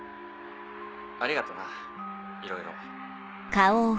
ありがとないろいろ。